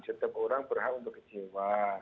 setiap orang berhak untuk kejiwa